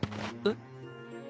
えっ？